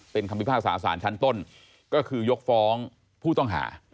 เป็นคำพิพากษาสารชั้นต้นก็คือยกฟ้องผู้ต้องหา